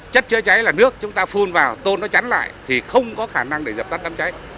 chất chữa cháy là nước chúng ta phun vào tôn nó chắn lại thì không có khả năng để dập tắt đám cháy